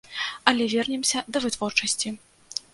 Але вернемся да вытворчасці.